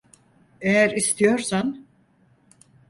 Eğer istiyorsan.